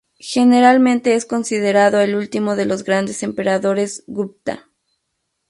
Generalmente es considerado el último de los grandes emperadores Gupta.